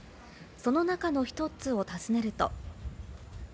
その中の一つを訪ねると。